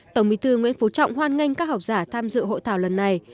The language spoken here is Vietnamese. tổng bí thư nguyễn phú trọng hoan nghênh các học giả tham dự hội thảo lần này